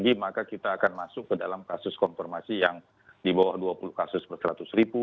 jadi maka kita akan masuk ke dalam kasus konfirmasi yang di bawah dua puluh kasus per seratus ribu